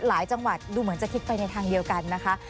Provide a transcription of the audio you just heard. จังหวัดดูเหมือนจะคิดไปในทางเดียวกันนะคะ